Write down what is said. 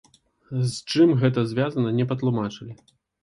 З чым гэта звязана не патлумачылі.